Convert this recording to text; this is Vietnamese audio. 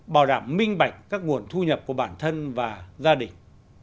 bảo đảm minh bạch các nguồn thu nhập của bản thân và gia đình